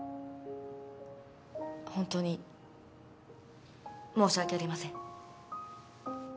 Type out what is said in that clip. ホントに申し訳ありません。